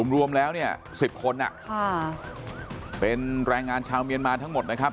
รวมแล้วเนี่ย๑๐คนเป็นแรงงานชาวเมียนมาทั้งหมดนะครับ